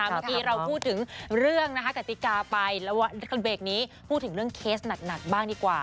เมื่อกี้เราพูดถึงเรื่องนะคะกติกาไปแล้วว่าเบรกนี้พูดถึงเรื่องเคสหนักบ้างดีกว่า